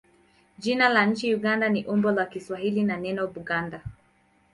Jina la nchi Uganda ni umbo la Kiswahili la neno Buganda.